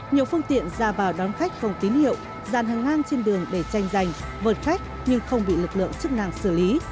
nhiều phương tiện ra vào đón khách không tín hiệu dàn hàng ngang trên đường để tranh giành vượt khách nhưng không bị lực lượng chức năng xử lý